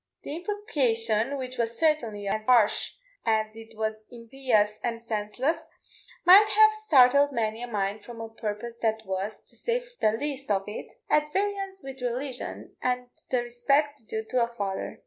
The imprecation, which was certainly as harsh as it was impious and senseless, might have startled many a mind from a purpose that was, to say the least of it, at variance with religion and the respect due to a father.